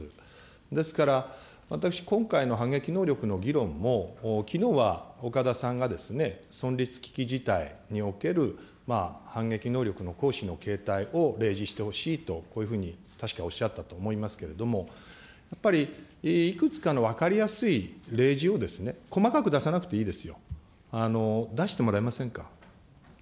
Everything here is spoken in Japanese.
ですから、私、今回の反撃能力の議論も、きのうは岡田さんが存立危機事態における反撃能力の行使の形態を例示してほしいと、こういうふうに確かおっしゃったというふうに思いますけれども、やっぱりいくつかの分かりやすい例示をですね、細かく出さなくていいですよ、出してもらえませんか。